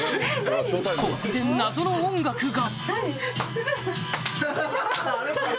突然謎の音楽が